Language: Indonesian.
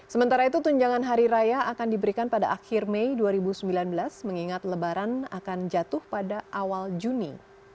sementara itu tunjangan hari raya akan diberikan pada akhir mei dua ribu sembilan belas mengingat lebaran akan jatuh pada awal juni